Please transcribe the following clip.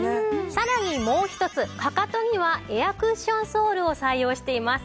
さらにもう一つかかとにはエアクッションソールを採用しています。